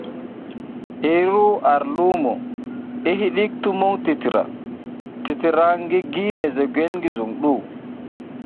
Yi ru ar limo, i hidik tumung titira titirang ngi gi mezegwel ngi zuŋ du.